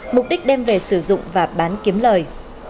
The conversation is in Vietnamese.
mục đích đem về sử dụng và bán kiếm lời